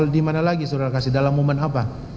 di mana lagi surakasi dalam umum apa